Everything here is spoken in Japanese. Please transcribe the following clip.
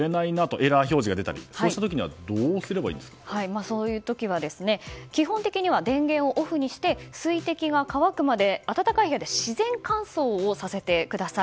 エラー表示が出たりそうした時にはそういう時は、基本的には電源をオフにして水滴が乾くまで暖かい部屋で自然乾燥させてください。